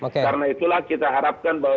karena itulah kita harapkan bahwa